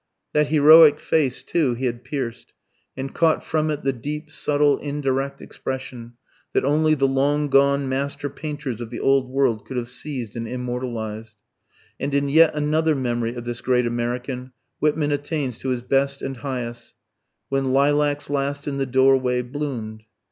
That heroic face, too, he had pierced; and caught from it the deep, subtle, indirect expression, that only the long gone master painters of the Old World could have seized and immortalized. And in yet another memory of this great American Whitman attains to his best and highest, "When Lilacs Last in the Doorway Bloom'd."